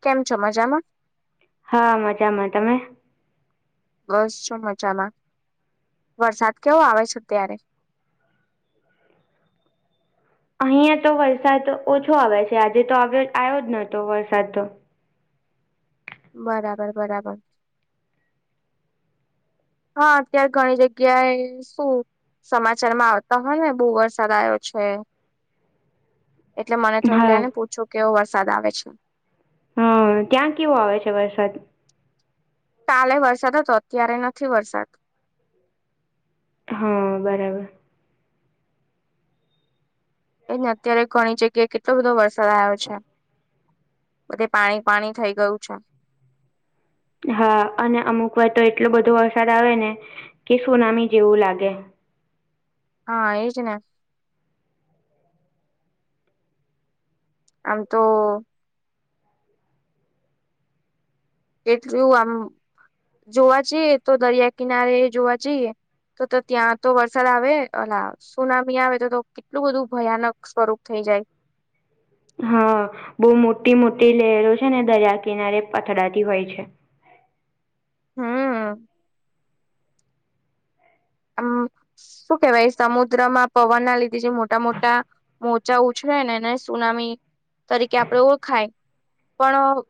કેમ છો મજામાં? હા મજામાં તમે? બસ શું મજામાં. વરસાદ કેવો આવે છે અ ત્યારે? અહિયાં તો વરસાદ ઓછો આવે છે આજે તો આવ્યો આવ્યો જ નતો વરસાદ તો. બરાબર બરાબર. હા અત્યારે ઘણી જગ્યાએ શું સમાચાર માં આવતા હોય ને બહુ વરસાદ આવ્યો છે. [inaudible] એટલે મને થયું લે હા ને પૂછું કેવો વરસાદ આવે છે. હમ ત્યાં કેવો આવે છે વરસાદ? કાલે વરસાદ હતો અત્યારે નથી વરસાદ. હા બરાબર. એને અત્યારે ઘણી જગ્યાએ કેટલો બધો વરસાદ આવ્યો છે બધે પાણી પાણી થઈ ગયું છે. હા અને અમુક વાર તો એટલો બધો વરસાદ આવે ને કે સુનામી જેવું લાગે. હા એજ ને. આમ તો એટલું આમ જોવા જઈએ તો દરિયા કિનારે જોવા જઈએ. તો તો ત્યાં તો વરસાદ આવે અ સુનામી આવે તો. એટલું બધું ભયાનક સ્વરૂપ થઈ જાય. હા બહુ મોટી મોટી લેરો છે ને દરિયા કિનારે પથડાતી હોય છે. હમ. આમ [inaudible] શું કેવાય સમુદ્રમાં પવન ના લીધે જે મોટા મોટા. મોચા ઉછળે નેને સુનામી તરીકે આપણેે ઓળખાય. પણ.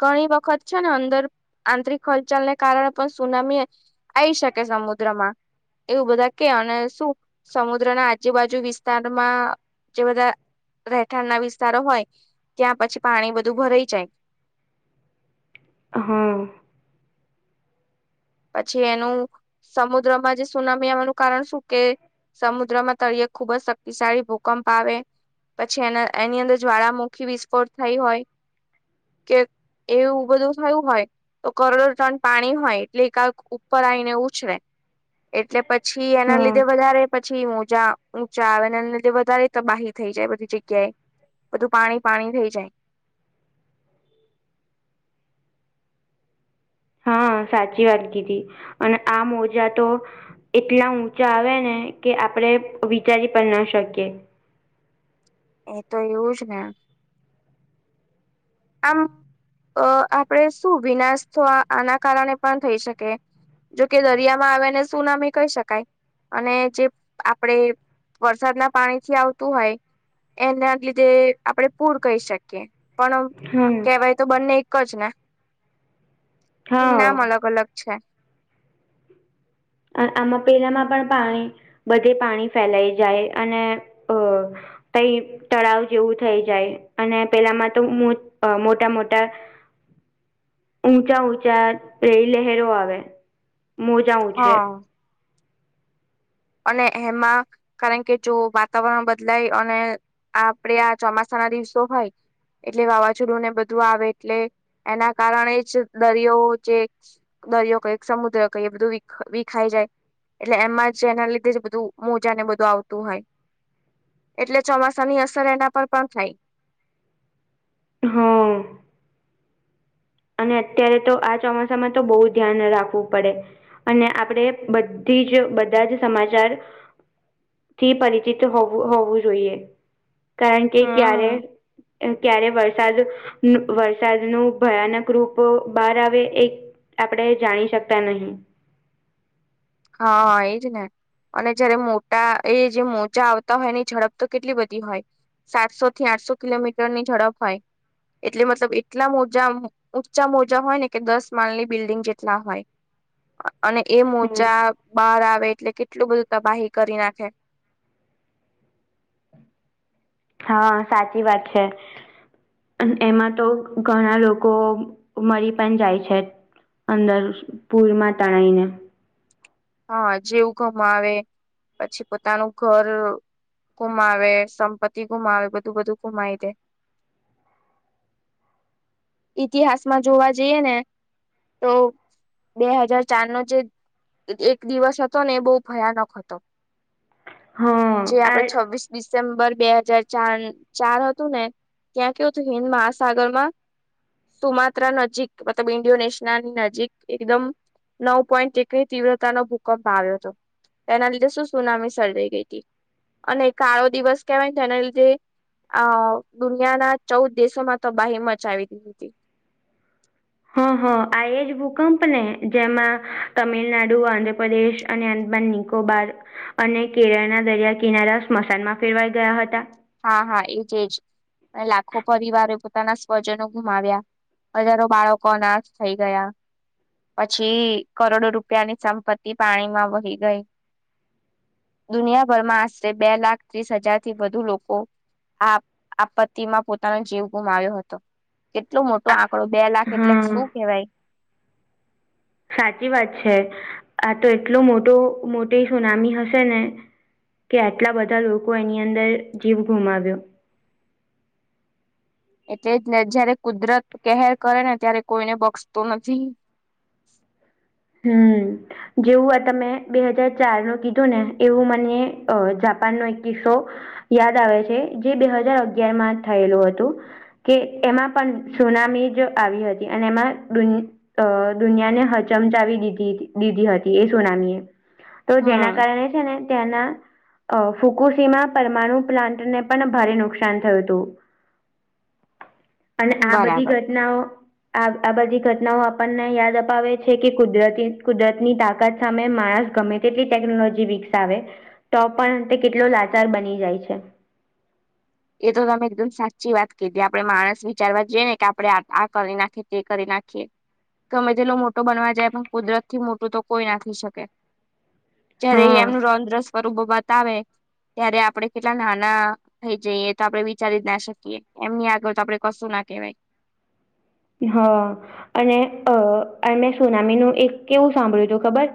ઘણી વખત છે ને અંદર આંતરિક હલચાલને કારણે પણ સુનામી. આઈ શકે સમુદ્ર. સમદ્રમાં એવું બધા કે અને શું સમુદ્રના આજુબાજુ વિસ્તારમાં. જે બધા રહેઠાણ ના વિસ્તારો હોય ત્યાં પછી પાણી બધું ભરાઈ જાય. હા પછી એનું સમુદ્રમાં જે સુનામી આવવાનું કારણ શું કે. સમુદ્રમાં તળીે ખુબ જ શક્તિશાળી ભૂકંપ આવે. પછી એના એની અંદર જ્વાળામુખી વિસ્ફોટ થઈ હોય. કે એવું બધું થયું હોય તો કરોડો ટન પાણી હોય. લેખાક ઉપર આવીને ઉછળ. એટલે પછી એના હા લીધે વધારે પછી મોજા. ઊંચા આવે ને એ લીધે વધારે તબાહી થઈ જાય બધી જગ્યાએ બધું પાણી પાણી થઈ જાય. હા સાચી વાત કીધી અને આ મોજા તો. એટલા ઊંચા આવે ને કે આપણે વિચારી પણ ના શકીએ. એ તો એવું જ ને. આમ આપણેે શું વિનાશ થ આના કારણે પણ થઈ શકે. જોકે દરિયામાં આવેને શું નામ કહી શકાય. અને જે આપડે વરસાદના પાણી થી આવતું હોય. એના લીધે આપણેે પૂર કહી શકીએ પણ. હમ. હવે તો બંને એક જ ને નામ હા અલગ અલગ છે. આમાં પેલામાં પણ પાણી બધે પાણી ફેલાઈ જાય અને અ. કં. તળાવ જેવું થઈ જાય અને પેલામાં તો મોટા મોટા. ઊંચા ઊંચા રહી લહેરો આવે મો. હા. અને એમાં. કારણ કે જો વાતાવરણ બદલાય અને આપડ આ ચોમાસાના દિવસો હોય એટલે વાવાઝોડું ને બધું આવે એટલે એના કારણે જ દરિયો જે. દરિયો કઈ સમુદ્ર કઈ એ બધું વિખાઈ જાય એટલે એમાં. જેના લીધે જ બધું મોજા ને બધું આવતું હોય. એટલે ચોમાસા ની અસર એના પર પણ થાય. હા. અને અત્યારે તો આ ચોમાસામાં તો બહુ ધ્યાન રાખવું પડે. અને આપડે બધી જ બધા જ સમાચાર. થી પરિચિત હોવું હોવું જોઈએ. કારણ કે ક્યારે ક્યારે વરસાદ વરસાદનું ભયાનક. ગ્રુપો બહાર આવે એ આપણેે જાણી શકતા નહી હા એજ ને. અને જયારે મોટા એ જે મોજા આવતા હોય એની ઝડપ તો કેટલી બધી હોય. સાતસો થી આઠસો કિલોમીટરની ઝડપ હોય એટલે મતલબ એટલા મોજા. ઊંચા મોજા હોય ને કે દસ માલની બિલ્ડિંગ જેટલા હોય અને એ હમ ચા બાળ આવે એટલે કેટલું બધું તબાહી કરી નાખે હા સાચી વાત છે. અન એમાં તો ઘણા લોકો મરી પણ જાય છે. અંદર પૂરમાં તણાઈ ને હા જેવું ગમાવે પછી પોતાનું ઘર ગુમાવે સંપત્તિ ગુમાવે બધું બધું ગુમાવી દે હ ઈતિહાસમાં જોવા જઈએ ને તો બે હજાર ચાર નો જે એક દિવસ હતો ને એ બો ભયાનક હતો હા જે આ આપડે છવ્વીસ ડિસેમ્બર બે હાજાર ચાર ચાર હતું ને તયા કેવું હતું હિન્ંદ મહાસાગરમાં તુમાત્રા નજીક મતલબ ઈન્ડોનેશિયાની નજીક એકદમ નવ પોઈન્ટ એક તીવ્રતા નો ભૂકંપ આવ્યો હતો એના લીધે શું સુનામી સર્જાઈ ગઈતી અને કાળો દિવસ કેહેવાય એના લીધે અ દુનિયાના ચૌદ દેશોમાં તો બાહી મચાવી દીધીતી હ હ આ એજ ભૂકંપને જેમાં તમિલનાડુ, આંધ્રપ્રદેશ અને અદબનની કોબાર અને કેરળના દરિયા કિનારા સ્મશાનમાં ફેરવાઈ ગયા હતા. હા હા એજ એજ અને લાખો પરિવારો પોતાના સ્વજનો ગુમાવ્યા હજારો બાળકો અનાથ થઈ ગયા પછી કરોડો રૂપિયાની સંપત્તિ પાણીમાં વહી ગઈ દુનિયાભરમાં આશરે બે લાખ ત્રીસ હજાર થી વધુ લો કો આ આપત્તિમાં પોતાનો જીવ ગુમાવ્યો હતો કેટલો મોટો આ આંકડો બે લાખ એટલે હા શું કેવાય સાચી વાત છે, આ તો એટલો મોટો મોટી સુનામી હશે ને કે આટલા બધા લોકો એની અંદર જીવ ગુમાવ્યો એટલે જને જયારે કુદરત કેહેર કરે ને ત્યારે કોઈને બક્ષતો નથી હમ. જેવું આ તમે બે હજાર ચાર નું કીધું ને એવું મને અ જાપાનનો એક કિસ્સો યાદ આવે છે, જે બે હજાર અગયારમાં થયેલું હતું કે એમાં પણ સુનામી જ આવી હતી અને એમાં દુન અ દુનિયાને હ ચમચાવી દીધી દીધી હતી એ સુનામી એ તો જેના હમ કારણે છે, ને ત્યાંના અ ફુકુસીમા પરમાણુ પ્લાન્ટને પણ ભારે નુકસાન થયું તું [inaudible] અને આ બધી બરાબર. ઘટનાઓ આ આ બધી ઘટનાઓ આપણને યાદ અપાવે છે, કે કુદરતી કુદરતની તાકાત સામે માણસ ગમે તેટલી ટેકનોલોજી વિકસાવે તો પણ તે કેટલો લાચાર બની જાય છે. એ તો તમે એકદમ સાચી વાત કીધી આપણે માણસ વિચારવા જઈએ ને કે આપણે આ કરી નાખીએ તે કરી નાખીએ ગમે તેલો મોટો બનવા જાય પણ કુદરતથી મોટું તો કોઈ ના થઈ શકે જયારે એ હા એમનું રોદ્ર સ્વરૂપો બતાવે ત્યારે આપડે કેટલા નાના થઈ જઈએ એ તો આપડે વિચારી જ ના શકીએ એમની આગળ તો આપડે કશું ના કેવાય હા અને અ મેં સોનામીનું એક કેવું સાંભળ્યું હતું ખબર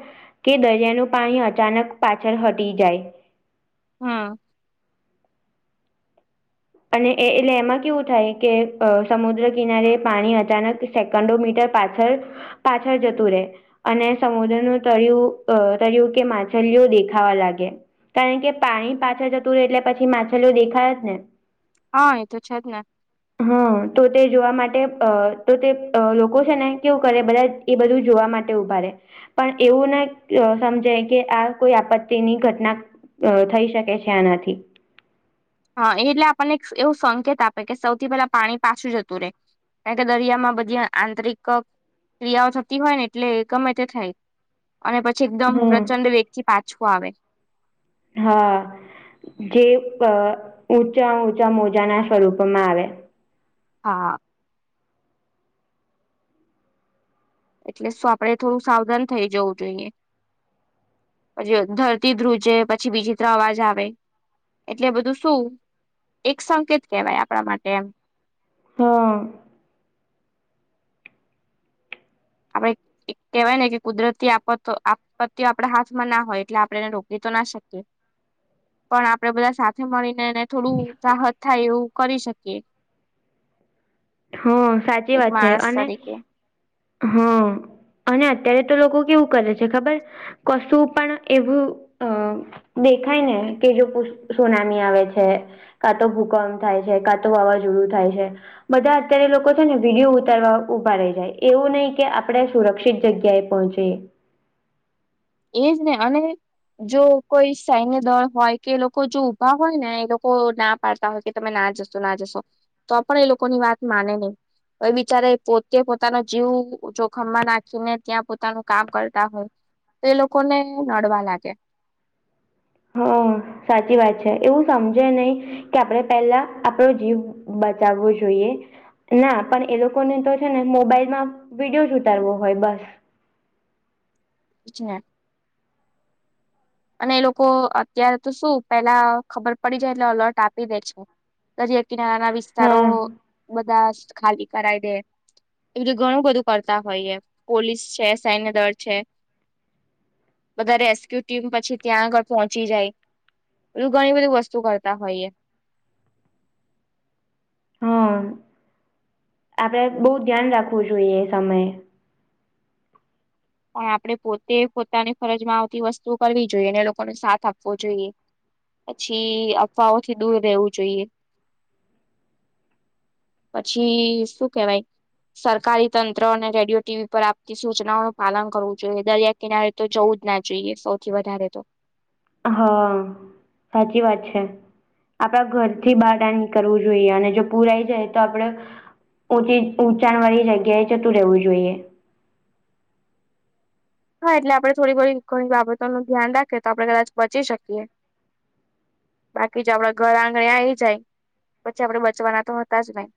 કે દરિયાનું પાણી અચાનક પાછળ હટી જાય હ. અને એ-એ-એટલે એમાં કેવું થાય કે અ સમુદ્ર કિનારે પાણી અચાનક સેકન્ડો મીટર પાછળ પાછળ જતું રે. અને સમુદ્રનું તર્યું તર્યું કે માછલીઓ દેખાવા લાગે કારણ કે પાણી પાછળ જતું રે એટલે પછી માછલીઓ દેખાય જ ને હા એ તો છે, જ ને હા તો તે જોવા માટે અ તો તે અ લોકો છે, ને કેવું કરે બધા એ બધું જોવા માટે ઉભા રે પણ એવું નઈ અ સમજે કે આ કોઈ આપત્તિની ઘટના અ થઈ શકે છે એનાથી. હન એટલે આપડને એક એવું સંકેત આપે કે સૌથી પેલા પાણી પાછું જતું રે. કારણ કે દરિયામાં બધી આંતરિક ક્રિયાઓ થતી હોય ને એટલે ગમે તે થાય. અને પછી એકદમ હમ પ્રચંડ વેગથી પાછું આવે. હા, જે અ ઊંચા-ઊંચા મોજાના સ્વરૂપમાં આવે. હા. એટલે શું આપડે થોડું સાવધાન થઈ જવું જોઈએ. અજી અ ધરતી ધ્રુજે, પછી વિચિત્ર અવાજ આવે એટલે બધું શું, એક સંકેત કેહેવાય આપડા માટે એમ. હન. અવે એક કહેવાય ને કે, કુદરતી આપત-આપત્તિ આપડા હાથમાં ના હોય એટલે આપડે એને રોકવી તો ના શકીએ. [inaudible] પણ આપડે બધા સાથે મળીને એને થોડું રાહત થાય એવું કરી શકીએ. હન, સાચી એક વાત છે માણસ અને તરીકે હન. અને અત્યારે તો લોકો કેવું કરે છે ખબર કશું પણ એવું અ દેખાય ને કે જો પુસ સોનાની આવે છે કા તો ભૂકંપ થાય છે, કા તો વાવાઝોડું થાય છે બધા અત્યારે લોકો છે ને વિડીયો ઉતારવા ઉભા રહી જાય, એવું નઈ કે આપડે સુરક્ષિત જગ્યાએ પહોંચીએ. એજ ને અને જો કોઈ સૈન્ય દળ હોય કે એ લોકો જો ઊભા હોય ને એ લોકો ના પાડતા હોય કે તમે ના જશો, ના જશો, તો પણ એ લોકોની વાત માને નઈ. એ બિચારે પોતે પોતાનો જીવ જોખમમાં નાખીને ત્યાં પોતાનું કામ કરતા હોય તો એ લોકોને નડવા લાગે. હન, સાચી વાત છે એવું સમજે નઈ કે આપડે પેલા આપડો જીવ બચાવવો જોઈએ. ના, પણ એ લોકોને તો છે ને મોબાઈલમાં વિડીયો જ ઉતારવો હોય બસ. વિચવા [unintelligible] અને એ લોકો અત્યારે તો શું પેલા ખબર પડી જાય એટલે અલર્ટ આપી દે છે. દરીયાકિનારાના વિસ્તારો હા બધા જ ખાલી કરાય દે એ બધુ ઘણું બધું કરતા હોઈએ પોલીસ છે, સૈન્ય દળ છે બધા રેસ્ક્યુ ટીમ પછી ત્યાં આગળ પહોંચી જાય, એવુ ઘણી બધી વસ્તુ કરતા હોયએ. હન, આપડે બઉ ધ્યાન રાખવું જોઈએ એ સમયે. પણ આપડે પોતે પોતાની ફરજમાં આવતી વસ્તુઓ કરવી જોઈએ ને એ લોકોને સાથ આપવો જોઈએ. પછી અફવાઓથી દૂર રહેવું જોઈએ. [inaudible] પછી શું કેવાય સરકારી તંત્ર અને રેડિયો ટીવી પર આપતી સૂચનાઓ પાલન કરવું જોઈએ, દરિયાકિનારે તો જવું જ ના જોઈએ સૌથી વધારે તો. હન, સાચી વાત છે. આપડા ઘરથી બહાર ના નીકરવું જોઈએ, અને જો પુરા આઈ જાય તો આપડે ઉચી ઊંચાણ વાળી જગ્યાએ જતું રહેવું જોઈએ. હા એટલે આપણે થોડી ઘણી બાબતોનું ધ્યાન રાખીએ તો આપણે કદાચ બચી શકીએ. બાકી જો આપડા ઘર આંગણે આઈ જાય, પછી આપડે બચવાના તો હતા જ નઈ.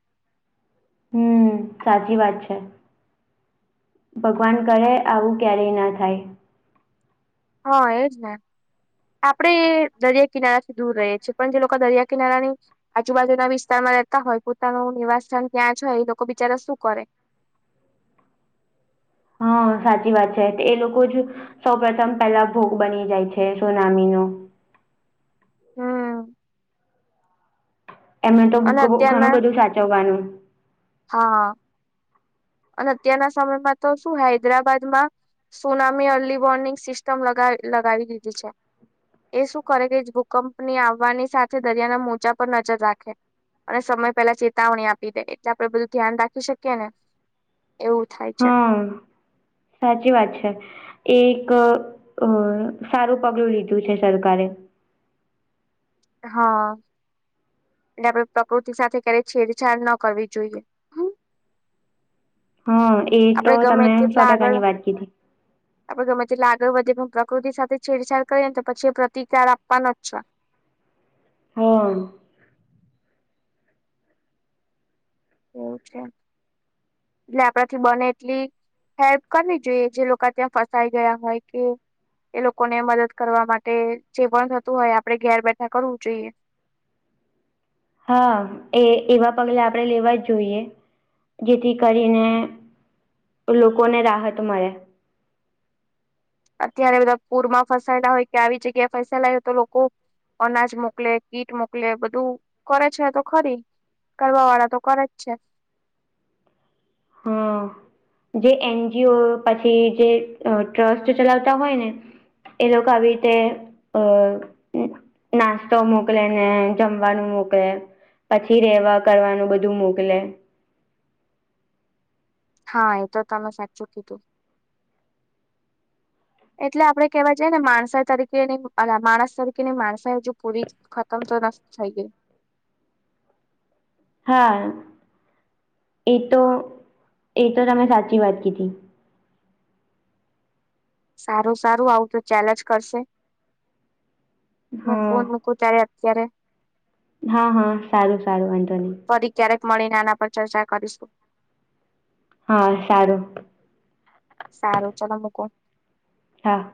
હમ સાચી વાત છે, ભગવાન કરે આવું ક્યારેય ના થાય. હઅ, એજ ને. આપડે દરિયાકિનારાથી દૂર રહીએ છીએ, પણ જે લોકા દરિયાકિનારાની આજુબાજુના વિસ્તારમાં રહેતા હોય પોતાનું નિવાસસ્થાન ત્યાં છે એ લોકો બિચારા શું કરે? હા સાચી વાત છે તો એ લોકો જ સૌ પ્રથમ પેલા ભોગ બની જાય છે સુનામી નો. હમ એમને તો બુક અને ઘણું અત્યારના બધું સાચવવાનું. હા. અને અત્યારના સમયમાં તો શું હૈદરાબાદમાં સુનામી અર્લી વોર્નિંગ સિસ્ટમ લગાવી દીધી છે. એ શું કરે કે ભૂકંપની આવવાની સાથે દરિયાના મોજા પર નજર રાખે. અને સમય પેલા ચેતવણી આપી દે એટલે આપડે બધું ધ્યાન રાખી શકીએ ને. એવું થાય છે હા સાચી વાત છે. એક સારું પગલું લીધું છે સરકારે હા એટલે આપડે પ્રકૃતિ સાથે ક્યારેય છેડછાડ ન કરવી જોઈએ. હ હા એ તો આપડે ગમે તમે સો તેટલા ટકા આગળ ની વાત કીધી. આપડે ગમે તેટલા આગળ વધી એ પણ પ્રકૃતિ સાથે છેડછાડ કરીએ ને તો પછી એ પ્રતિકાર આપવાનો જ છે. હા એવું છે એટલે આપણાથી બને એટલી હેલ્પ કરવી જોઈએ જે લોકો ત્યાં ફસાઈ ગયા હોય તે એ લોકોને મદદ કરવા માટે જે પણ થતું હોય આપડે ઘેર બેઠા કરવું જોઈએ. હા એ એવા પગલા આપણેે લેવા જ જોઈએ. જેથી કરીને લોકોને રાહત મળે. અત્યારે બધા પૂરમાં ફસાયલા હોય કે આવી જગ્યા ફસાયલા હોય તો લોકો અનાજ મોકલે કીટ મોકલે બધું કરે છે તો ખરી. કરવા વાળા તો કરે જ છે. હમ. જે એનજીઓ પછી જે ટ્રસ્ટ ચલાવતા હોય ને એ લોકો આવી રીતે અ નાસ્તો મોકલેને જમવાનું મોકલે. પછી રેવા કરવાનું બધું મોકલે. હા એ તો તમે સાચું કીધું. એટલે આપડે કેવા જઈએને માણસ તરીકે ને માણસ તરીકેની માણસાઈ હજુ પૂરી ખતમ તો નથી થઈ ગઈ. હા એ તો એ તો તમે સાચી વાત કીધી. સારું સારું આવું તો ચાલ્યા કરશે મે હા ફોન ત્યારે અત્યારે હા હા સારું સારું વાંધો નહી. ફરી ક્યારેક મળી ને આના પર ચર્ચા કરીશું. હા સારું. સારું ચલો મુકુ. હા.